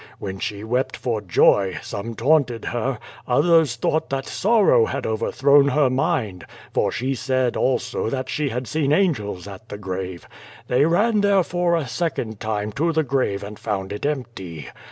When she wept for joy, some taunted her, others thought that sorrow had overthrown her mind, for she said also that she had seen angels at the grave. They ran therefore a second time to the grave and found it empty.